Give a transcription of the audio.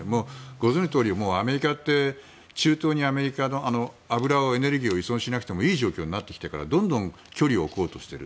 ご存じのとおりアメリカって中東にエネルギーを依存しなくてもいい状況になってきてからどんどん距離を置こうとしている。